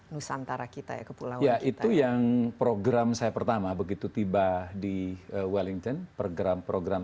nusantara kita ya kepulauan itu yang program saya pertama begitu tiba di wellington program program